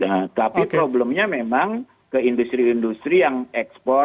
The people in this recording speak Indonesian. nah tapi problemnya memang ke industri industri yang ekspor